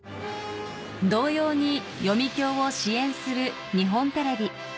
同様に読響を支援する日本テレビ